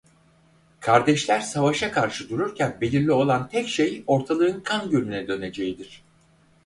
Kardeşler savaşa karşı dururken belirli olan tek şey ortalığın kan gölüne döneceğidir.